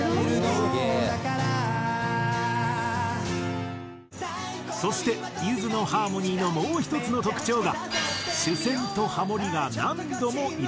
「すげえ！」そしてゆずのハーモニーのもう１つの特徴が。